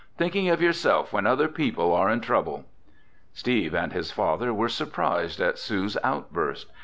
"Thinking of yourself when other people are in trouble!" Steve and his father were surprised at Sue's outburst.